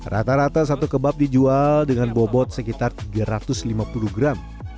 rata rata satu kebab dijual dengan bobot sekitar tiga ratus lima puluh gram